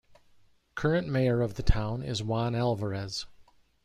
Current mayor of the town is Juan Alvarez.